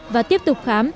và tiếp tục khám